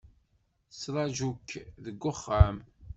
Yettraju-k deg uxxam.